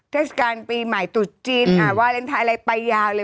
เทศกาลปีใหม่ตุดจีนวาเลนไทยอะไรไปยาวเลย